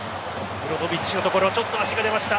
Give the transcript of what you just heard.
ブロゾヴィッチのところちょっと足が出ました。